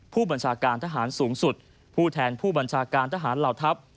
ผู้บัญชาการทหารสูงสุดผู้แทนผู้บัญชาการทหารเหล่าทัพ